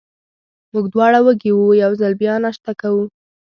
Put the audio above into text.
موږ دواړه وږي وو، یو ځل بیا ناشته کوو.